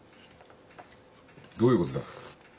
どういうことだ。